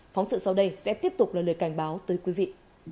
phóng sự sau đây sẽ tiếp tục là lời cảnh báo tới quý vị